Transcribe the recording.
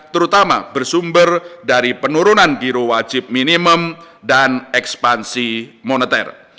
terutama bersumber dari penurunan biro wajib minimum dan ekspansi moneter